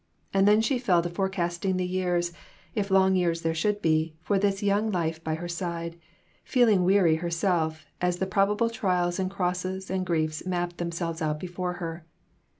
And then she fell to forecasting the years, if long years there should be, for this young life by her side, feeling weary herself as the probable trials and crosses and griefs mapped themselves out before her.